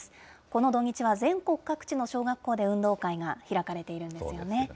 この土日は全国各地の小学校で運動会が開かれているんですよね。